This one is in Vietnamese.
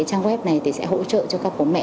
trang web này sẽ hỗ trợ cho các bố mẹ